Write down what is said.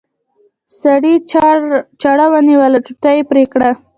سړي چاړه ونیوله ټوټه یې پرې کړه.